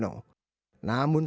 namun tak sampai